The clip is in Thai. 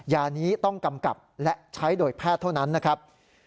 ยานี้ต้องกำกับและใช้โดยแพทย์เท่านั้นนะครับ